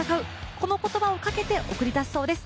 この言葉をかけて送り出すそうです。